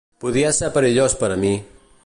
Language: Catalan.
Podia ser perillós per a mi